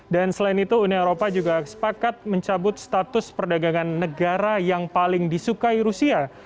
dan selain itu uni eropa juga sepakat mencabut status perdagangan negara yang paling disukai rusia